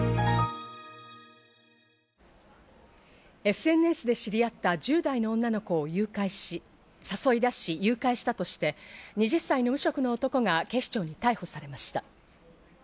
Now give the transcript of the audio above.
ＳＮＳで知り合った１０代の女の子を誘拐し、誘い出し誘拐したとして、２０歳の無職の男が警視庁に逮捕されました。